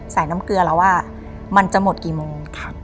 น้ำเกลือเราว่ามันจะหมดกี่โมง